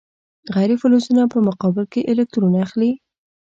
غیر فلزونه په مقابل کې الکترون اخلي.